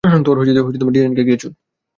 তোর ডিজাইনাকে গিয়ে চোদ।